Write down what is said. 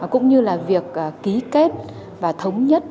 cũng như là việc ký kết và thống nhất